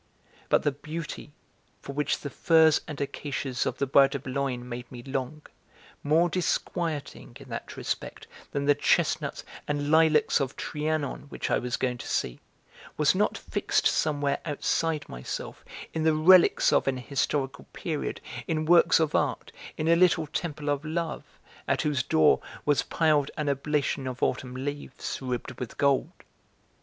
But the beauty for which the firs and acacias of the Bois de Boulogne made me long, more disquieting in that respect than the chestnuts and lilacs of Trianon which I was going to see, was not fixed somewhere outside myself in the relics of an historical period, in works of art, in a little temple of love at whose door was piled an oblation of autumn leaves ribbed with gold.